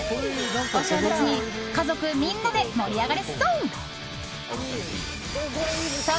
お正月に家族みんなで盛り上がれそう！